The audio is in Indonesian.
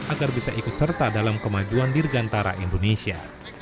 agar bisa ikut serta dalam kemajuan dirgantara indonesia